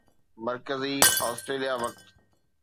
مرڪزي آسٽريليا وقت